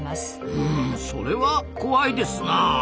うんそれは怖いですな。